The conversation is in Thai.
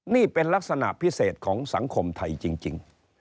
นี่เป็นลักษณะพิเศษของสังคมไทยจริง